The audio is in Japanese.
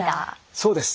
そうです！